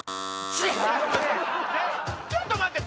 ちょっと待って。